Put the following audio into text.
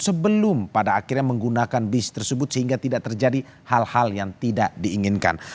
sebelum pada akhirnya menggunakan bis tersebut sehingga tidak terjadi hal hal yang tidak diinginkan